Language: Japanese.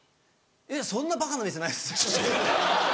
いやそんなバカな店ないですよ。